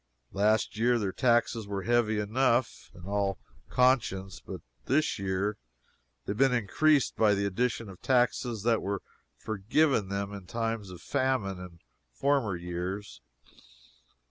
Last year their taxes were heavy enough, in all conscience but this year they have been increased by the addition of taxes that were forgiven them in times of famine in former years.